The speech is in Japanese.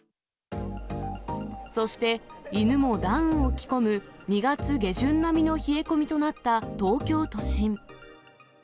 そして、犬もダウンを着込む２月下旬並みの冷え込みとなった東京都心。